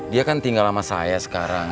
dia kan tinggal sama saya sekarang